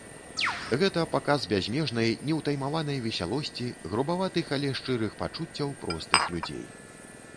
Гэта паказ бязмежнай, неўтаймаванай весялосці, грубаватых, але шчырых пачуццяў простых людзей.